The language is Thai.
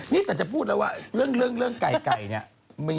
นี่แต่จะพูดแล้วว่าเรื่องไก่เนี่ย